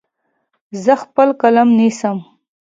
زه خپل قلم نیسم.